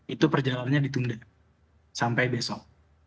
itu perjalanannya ditunda sampai besok